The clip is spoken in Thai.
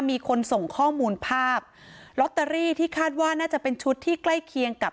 มีคนส่งข้อมูลภาพลอตเตอรี่ที่คาดว่าน่าจะเป็นชุดที่ใกล้เคียงกับ